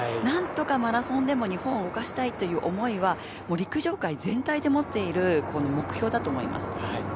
何とかマラソンでも日本を動かしたいという思いは陸上界全体で持っている目標だと思います。